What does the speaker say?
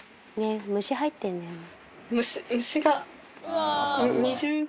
「虫入ってるんだよね」